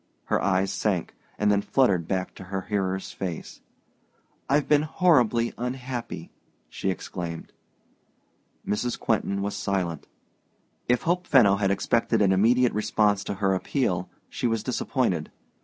Her eyes sank, and then fluttered back to her hearer's face. "I've been horribly unhappy!" she exclaimed. Mrs. Quentin was silent. If Hope Fenno had expected an immediate response to her appeal, she was disappointed.